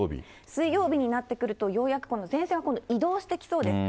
水曜日になってくると、ようやく前線は移動してきそうです。